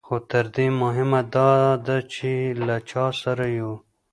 خو تر دې مهمه دا ده چې له چا سره یو.